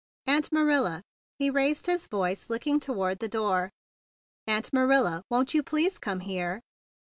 "Aunt Marilla!" he raised his voice, looking toward the door. "Aunt Marilla, won't you please come here?"